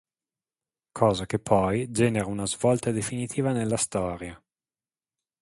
Cosa che poi genera una svolta definitiva nella storia.